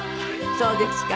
そうですか。